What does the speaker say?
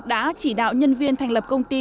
đã chỉ đạo nhân viên thành lập công ty